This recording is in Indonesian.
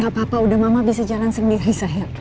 gak apa apa udah mama bisa jalan sendiri saya